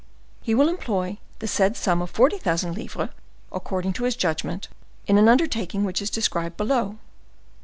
He will employ the said sum of forty thousand livres according to his judgment in an undertaking which is described below.